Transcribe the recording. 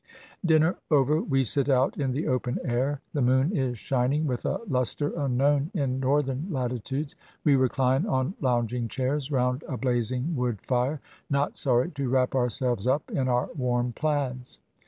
Dinner over, we sit out in the open air. The moon is shining with a luster unknown in Northern latitudes. We recUne on lounging chairs round a blazing wood lire, not sorry to wrap ourselves up in our warm plaids.